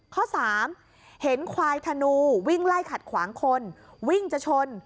ข้อ๓เห็นควายธนูวิ่งไล่ขัดขวางคนวิ่งจะชน